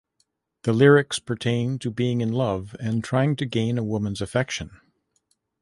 The lyrics pertain to being in love and trying to gain a woman's affection.